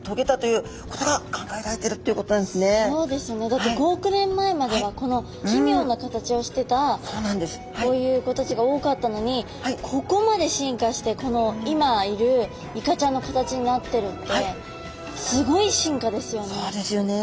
だって５億年前まではこのきみょうな形をしてたこういう子たちが多かったのにここまで進化してこの今いるイカちゃんの形になってるってすごい進化ですよね。